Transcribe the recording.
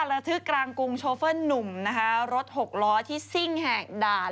ระทึกกลางกรุงโชเฟอร์หนุ่มนะคะรถหกล้อที่ซิ่งแหกด่าน